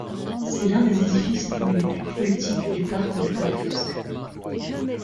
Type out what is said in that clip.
C'est l'un des édifices parmi les plus poétiques du parc de Pavlovsk.